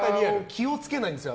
気を付けないんですよ